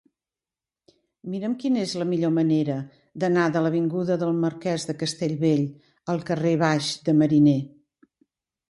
Mira'm quina és la millor manera d'anar de l'avinguda del Marquès de Castellbell al carrer Baix de Mariner.